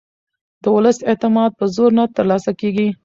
د ولس اعتماد په زور نه ترلاسه کېږي